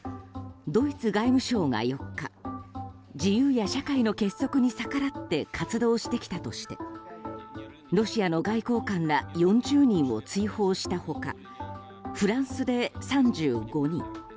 ドイツ外務省が４日自由や社会の結束に逆らって活動してきたとしてロシアの外交官ら４０人を追放した他フランスで３５人